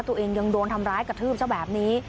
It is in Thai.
ตัวเองยังโดนทำร้ายกระทืบซะแบบนี้